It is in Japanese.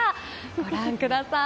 ご覧ください。